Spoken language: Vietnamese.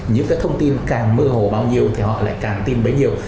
những cái thông tin càng mơ hồ bao nhiêu thì họ lại càng tin bấy nhiêu